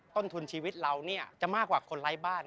ต้นทุนชีวิตเราเนี่ยจะมากกว่าคนไร้บ้าน